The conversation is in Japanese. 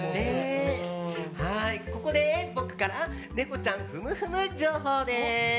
ここで僕からネコちゃんふむふむ情報です。